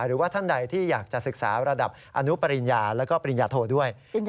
หรือว่าท่านใดที่อยากจะศึกษาระดับอนุปริญญาแล้วก็ปริญญาโทด้วย